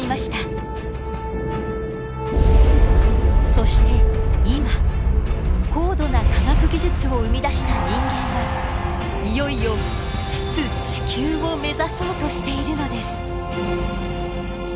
そして今高度な科学技術を生み出した人間はいよいよ出・地球を目指そうとしているのです。